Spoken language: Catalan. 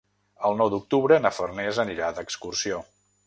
El nou d'octubre na Farners anirà d'excursió.